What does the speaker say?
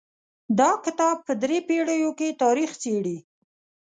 دا کتاب په درې پېړیو کې تاریخ څیړي.